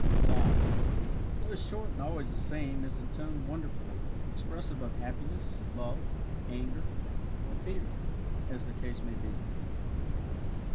Song though short and always the same is in tone wonderfully expressive of happiness, love, anger, or fear, as the case may be.